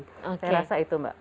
saya rasa itu mbak